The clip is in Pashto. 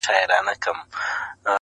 د ابوجهل خوله به ماته وي شیطان به نه وي!